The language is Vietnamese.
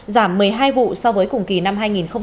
giảm một mươi hai vụ so với cùng kỳ năm hai nghìn một mươi chín